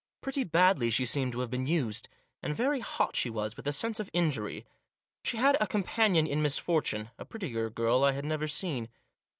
Pretty badly she seemed to have been used. And very hot she was with a sense of injury. She had a companion in misfortune ; a prettier girl I had never seen.